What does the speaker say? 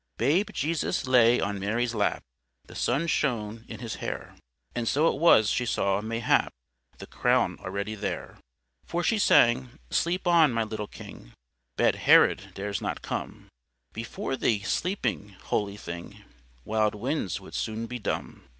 "Babe Jesus lay on Mary's lap; The sun shone in His hair: And so it was she saw, mayhap, The crown already there. "For she sang: 'Sleep on, my little King! Bad Herod dares not come; Before Thee, sleeping, holy thing, Wild winds would soon be dumb.